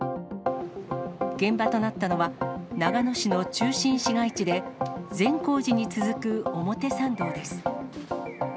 現場となったのは、長野市の中心市街地で、善光寺に続く表参道です。